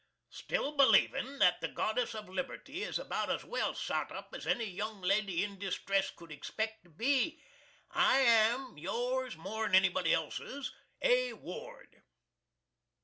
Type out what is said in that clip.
Still believin' that the Goddess of Liberty is about as well sot up with as any young lady in distress could expect to be, I am Yours more'n anybody else's, A. Ward.